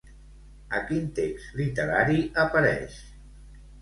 A quin text literari apareix?